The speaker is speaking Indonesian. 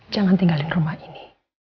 jangan tinggalin rumah ini